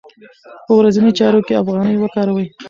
په ورځنیو چارو کې افغانۍ وکاروئ.